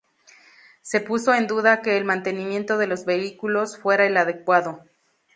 Se puso en duda que el mantenimiento de los vehículos fuera el adecuado.